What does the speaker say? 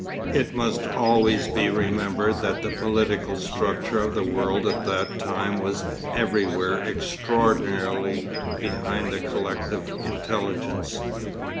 It must always be remembered that the political structure of the world at that time was everywhere extraordinarily behind the collective intelligence.